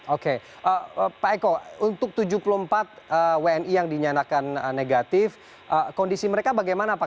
oke pak eko untuk tujuh puluh empat wni yang dinyatakan negatif kondisi mereka bagaimana pak